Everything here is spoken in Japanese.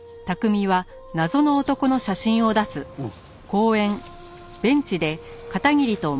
おう。